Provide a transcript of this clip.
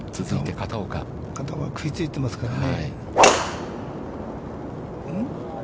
片岡、食いついていますからね。